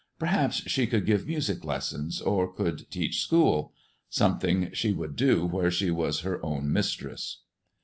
Perhaps she could give music lessons, or could teach school; something she would do where she was her own mistress.